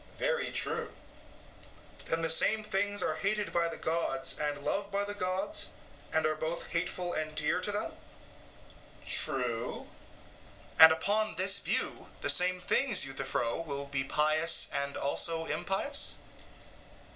EUTHYPHRO: Very true. SOCRATES: Then the same things are hated by the gods and loved by the gods, and are both hateful and dear to them? EUTHYPHRO: True. SOCRATES: And upon this view the same things, Euthyphro, will be pious and also impious?